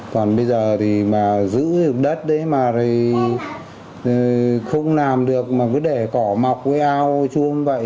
còn bây giờ thì mà giữ đất đấy mà không làm được mà cứ để cỏ mọc với ao chung vậy